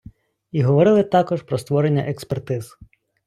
І говорили також про створення експертиз.